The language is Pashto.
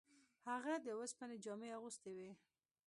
هغه د اوسپنې جامې اغوستې وې.